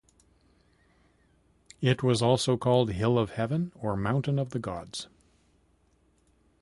It was also called Hill of Heaven or Mountain of the gods.